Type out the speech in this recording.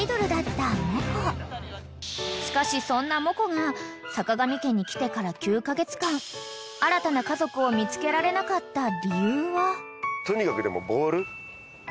［しかしそんなモコがさかがみ家に来てから９カ月間新たな家族を見つけられなかった理由は］